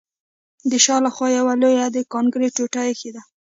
د شا له خوا یوه لویه د کانکریټ ټوټه ایښې ده